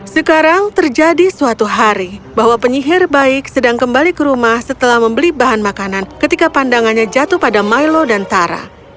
sekarang terjadi suatu hari bahwa penyihir baik sedang kembali ke rumah setelah membeli bahan makanan ketika pandangannya jatuh pada milo dan tara